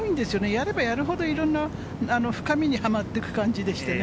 やればやるほど、いろんな深みにはまっていく感じでしてね。